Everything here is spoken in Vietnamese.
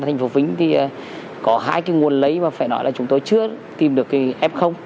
thành phố vĩnh có hai nguồn lấy mà phải nói là chúng tôi chưa tìm được f